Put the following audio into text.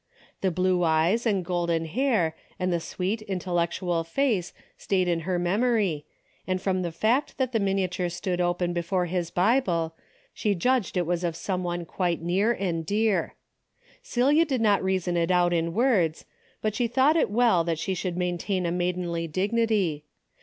The blue eyes and golden hair and the sweet intel lectual face stayed in her memory, and from the fact that the miniature stood open before his Bible, she judged it was of some one quite near and dear. Celia did not reason it out in Avords, but she thought it well that she should maintain a maidenly dignity.